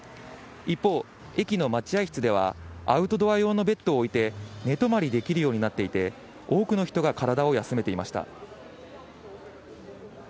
一方、駅の待合室では、アウトドア用のベッドを置いて、寝泊まりできるようになっていて、多くの人が体を休めていました。